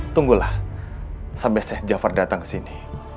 tunggulah sampai sheikh jafar datang ke sini